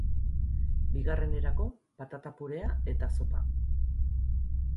Bigarrenerako, patata-purea eta zopa.